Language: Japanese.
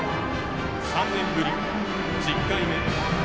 ３年ぶり１０回目。